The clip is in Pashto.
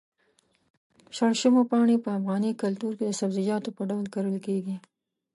شړشمو پاڼې په افغاني کلتور کې د سبزيجاتو په ډول کرل کېږي.